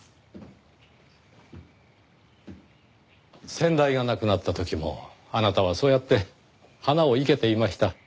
先代が亡くなった時もあなたはそうやって花を生けていました。